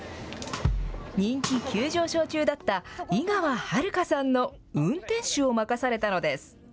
人気急上昇中だった井川遥さんの運転手を任されたのです。